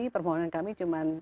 permohonan kami cuma